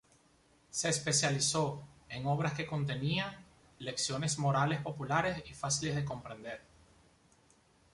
Se especializó en obras que contenían lecciones morales populares y fáciles de comprender.